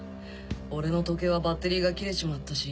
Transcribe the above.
俺の時計はバッテリーが切れちまったし。